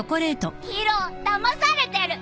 宙だまされてる！